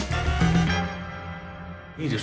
いいです